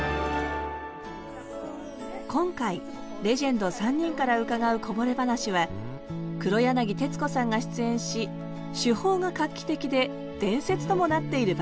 今回レジェンド３人から伺うこぼれ話は黒柳徹子さんが出演し手法が画期的で伝説ともなっている番組について。